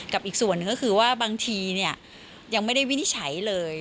อีกส่วนหนึ่งก็คือว่าบางทียังไม่ได้วินิจฉัยเลย